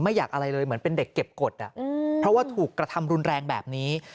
อยากอะไรเลยเหมือนเป็นเด็กเก็บกฎเพราะว่าถูกกระทำรุนแรงแบบนี้